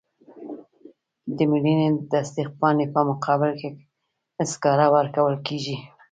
د مړینې د تصدیق پاڼې په مقابل کې سکاره ورکول کیږي.